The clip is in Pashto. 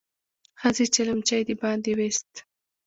ښځې چلمچي د باندې ويست.